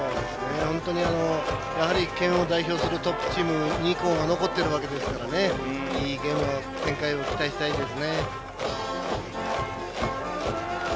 本当に、県を代表するトップチーム２校が残っているわけですからいいゲームの展開を期待したいですね。